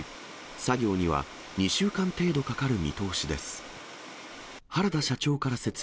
作業には２週間程度かかる見通しです。